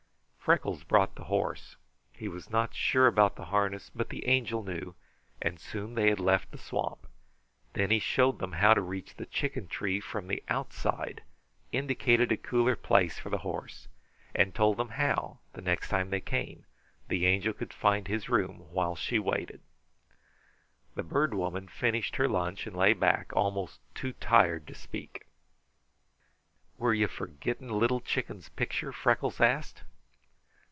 Freckles brought the horse. He was not sure about the harness, but the Angel knew, and soon they left the swamp. Then he showed them how to reach the chicken tree from the outside, indicated a cooler place for the horse, and told them how, the next time they came, the Angel could find his room while she waited. The Bird Woman finished her lunch, and lay back, almost too tired to speak. "Were you for getting Little Chicken's picture?" Freckles asked.